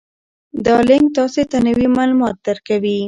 دا لینک تاسي ته نوي معلومات درکوي.